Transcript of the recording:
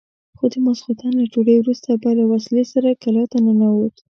خو د ماخستن له ډوډۍ وروسته به له وسلې سره کلا ته ورننوت.